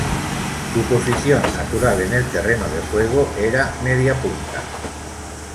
Su posición natural en el terreno de juego era mediapunta.